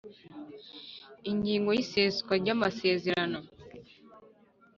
Ingingo y Iseswa ry amasezerano